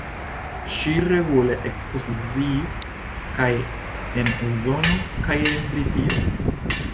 Ŝi regule ekspoziciis kaj en Usono kaj en Britio.